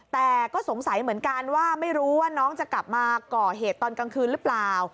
แต่ก็สงสัยเหมือนกันว่าไม่รู้ว่าน้องจะกลับมาก่อเหตุตอนกลางคืนหรือเปล่า